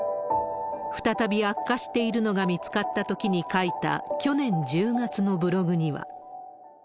再び悪化しているのが見つかったときに書いた、去年１０月のブログには。